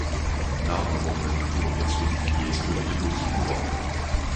L'arbre est représenté au verso du billet estonien de dix couronnes.